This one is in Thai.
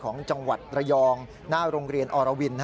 ของจังหวัดระยองหน้าโรงเรียนอรวิน